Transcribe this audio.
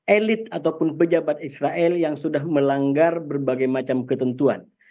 elit ataupun pejabat israel yang sudah melanggar berbagai macam ketentuan